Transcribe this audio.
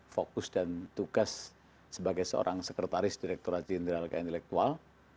fokus dan tugas sebagai seorang sekretaris direkturat jenderal ke intelektual